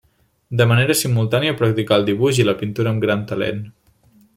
De manera simultània practicà el dibuix i la pintura amb gran talent.